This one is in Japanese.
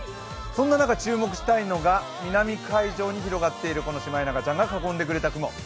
そんな中、注目したいのが南海上に広がっているシマエナガちゃんが囲んでくれた雲。